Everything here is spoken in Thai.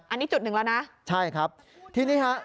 อันนี้จุดหนึ่งแล้วนะใช่ครับทีนี้ฮะ